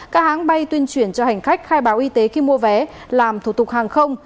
các hãng bay tuyên truyền cho hành khách khai báo y tế khi mua vé làm thủ tục hàng không